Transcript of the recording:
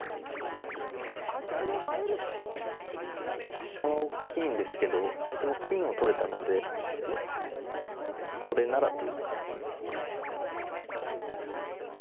飛車はおっきいんですけど先手も金を取れたのでそれならという感じですね。